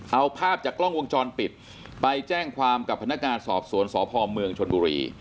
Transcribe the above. เอาภาพจากกล้องวงจรปิดไปแจ้งความกับพนักงานสอบสวนสพเมืองชนบุรี